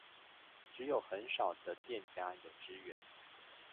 只有很少的店家有支援